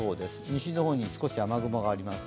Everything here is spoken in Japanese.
西の方に少し雨雲があります。